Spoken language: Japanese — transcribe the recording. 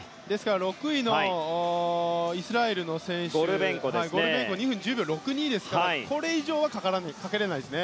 ６位のイスラエルの選手ゴルベンコは２分１０秒６２ですからこれ以上はかけれないですね。